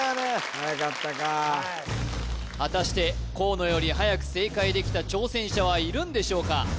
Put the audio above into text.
はやかったか果たして河野よりはやく正解できた挑戦者はいるんでしょうか